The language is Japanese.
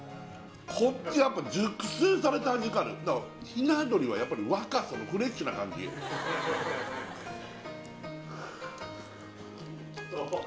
こっちやっぱ熟成された味があるだからひなどりはやっぱり若さフレッシュな感じうわ